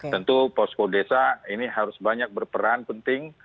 tentu posko desa ini harus banyak berperan penting